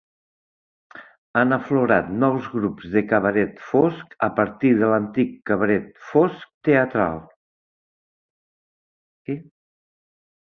Han aflorat nous grups de cabaret fosc a partir de l'antic cabaret fosc teatral.